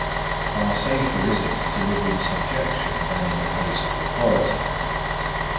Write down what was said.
Far safer is it to live in subjection than in a place of authority.